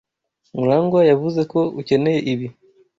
Murangwa yavuze ko ukeneye ibi.